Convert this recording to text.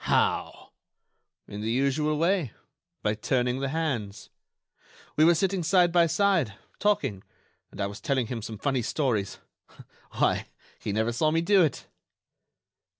"How?" "In the usual way, by turning the hands. We were sitting side by side, talking, and I was telling him some funny stories.... Why! he never saw me do it."